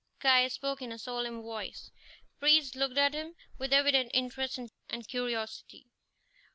Caius spoke in a solemn voice. The priest looked at him with evident interest and curiosity.